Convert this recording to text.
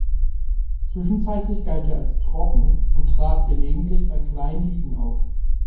Zwischenzeitlich galt er als „trocken“ und trat gelegentlich bei kleinen Ligen auf.